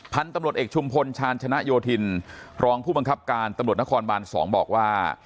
พันธุ์ตำรวจเอกชุมพลชาญชนะโยธินรองผู้บังคับการตำรวจนครบาน๒บอกว่า